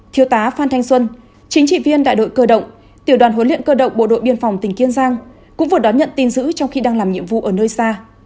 thiếu tá phan thanh xuân chính trị viên đại đội cơ động tiểu đoàn huấn luyện cơ động bộ đội biên phòng tỉnh kiên giang cũng vừa đón nhận tin giữ trong khi đang làm nhiệm vụ ở nơi xa